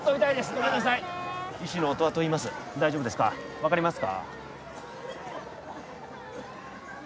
分かりますか？